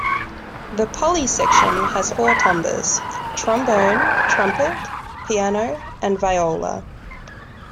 The "poli" section has four timbres: Trombone, Trumpet, Piano, and Viola.